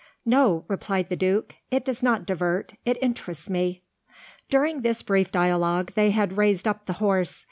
"No," replied the Duke; "it does not divert, it interests me." During this brief dialogue they had raised up the horse.